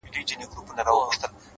• بیرته یوسه خپل راوړي سوغاتونه,